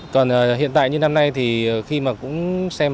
còn hiện tại như năm nay thì khi mà cũng xem